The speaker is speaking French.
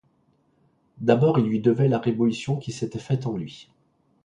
D'abord il lui devait la révolution qui s'était faite en lui.